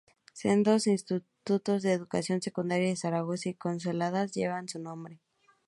Sendos Institutos de Educación Secundaria de Zaragoza y Coslada llevan su nombre.